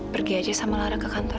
pergi aja sama lara ke kantor